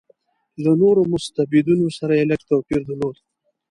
له نورو مستبدینو سره یې لږ توپیر درلود.